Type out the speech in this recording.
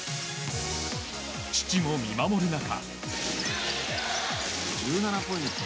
父も見守る中。